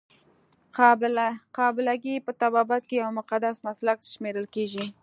قابله ګي په طبابت کې یو مقدس مسلک شمیرل کیږي.